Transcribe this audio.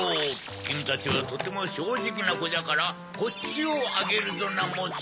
きみたちはとてもしょうじきなコじゃからこっちをあげるぞなもし。